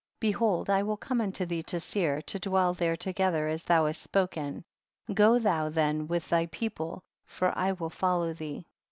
Behold I will come unto thee to Seir to dwell there together as thou hast spoken, go thou then with thy people for I will follow thee.